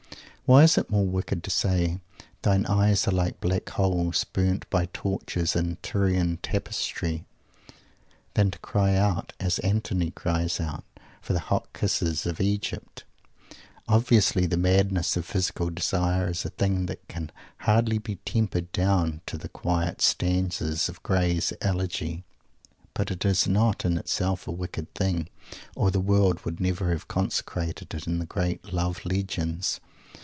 Why is it more wicked to say, "Thine eyes are like black holes, burnt by torches in Tyrian tapestry!" than to cry out, as Antony cries out, for the hot kisses of Egypt? Obviously the madness of physical desire is a thing that can hardly be tempered down to the quiet stanzas of Gray's Elegy. But it is not in itself a wicked thing; or the world would never have consecrated it in the great Love Legends.